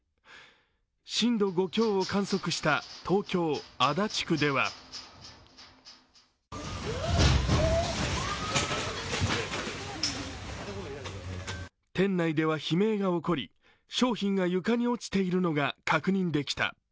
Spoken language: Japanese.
震度５強を観測した東京・足立区では店内では悲鳴が起こり、商品が床に落ちているのが確認できた。